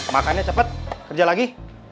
makannya cepet kerja lagi